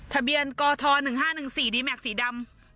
ทะเบียนกดีแม็กซ์สีดำ